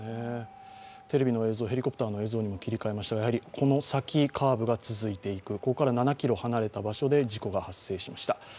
テレビの映像、ヘリコプターの映像にも切り替えましたがこの先、カーブが続いていく、ここから７ｋｍ離れた場所で事故が発生しました。